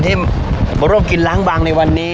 ที่พบกินหลังบางในวันนี้